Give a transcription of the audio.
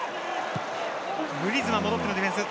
グリーズマンが戻ってのディフェンス。